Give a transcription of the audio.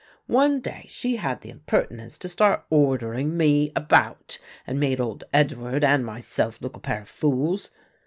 One day she had the impertinence to start ordering me about and made old Edward and myself look a pair of fools.